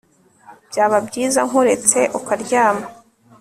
byaba byiza nkuretse ukaryama